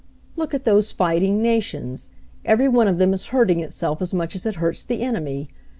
"Look at those fighting nations. Every one of them is hurting itself as much as it hurts the enemy.